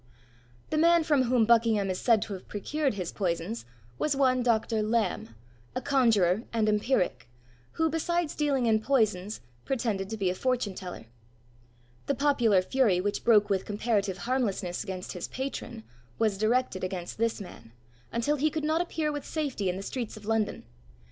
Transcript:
The man from whom Buckingham is said to have procured his poisons was one Dr. Lamb, a conjuror and empiric, who, besides dealing in poisons, pretended to be a fortune teller. The popular fury, which broke with comparative harmlessness against his patron, was directed against this man, until he could not appear with safety in the streets of London.